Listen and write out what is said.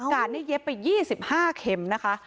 กาดนี้เย็บไป๒๕เค็มนะคะ